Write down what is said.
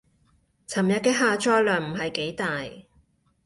尋日嘅下載量唔係幾大